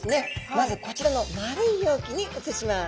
まずこちらの丸い容器に移します。